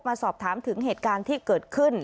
มาสอบถามถึงเหตุการณ์ที่เกิดขึ้น